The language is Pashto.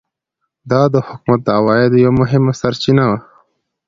دا د حکومت د عوایدو یوه مهمه سرچینه وه.